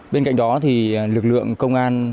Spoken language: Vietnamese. bên cạnh đó thì lực lượng công an